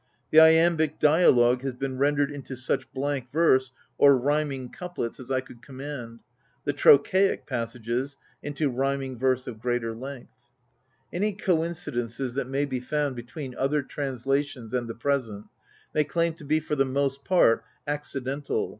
The iambic dialogue has PREFACE xxxi been rendered into such blank verse, or rhyming couplets, as I could command : the trochaic passages into rhyming verse of greater length. Any coincidences that may be found between other translations and the present may claim to be for the most part accidental.